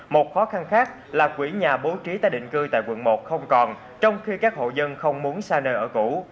một khó khăn khác là quỹ nhà bố trí tái định cư tại quận một không còn trong khi các hộ dân không muốn xa nơi ở cũ